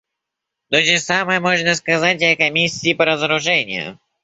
То же самое можно сказать и о Комиссии по разоружению.